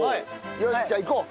よしじゃあ行こう。